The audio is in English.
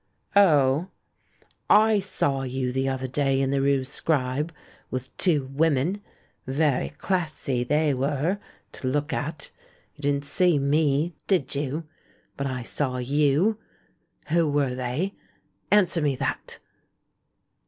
"Oh?" ^^I saw you the other day in the rue Scribe, with two women. Very classy they were — to look at. You didn't see me, did you? But I saw you! Who were tliey? Answer me that."